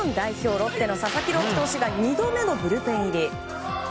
ロッテの佐々木朗希投手が２度目のブルペン入り。